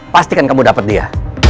pastikan kamu dapet dia